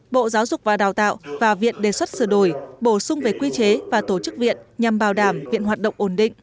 bộ giáo dục và đào tạo và viện đề xuất sửa đổi bổ sung về quy chế và tổ chức viện nhằm bảo đảm viện hoạt động ổn định